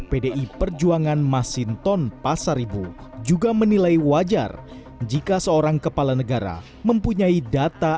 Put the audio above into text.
pdi perjuangan masinton pasaribu juga menilai wajar jika seorang kepala negara mempunyai data